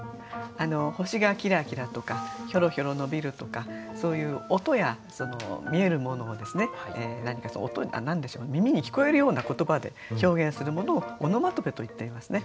「星がきらきら」とか「ひょろひょろ伸びる」とかそういう音や見えるものを何か耳に聞こえるような言葉で表現するものをオノマトペといっていますね。